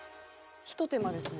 「ひと手間ですね」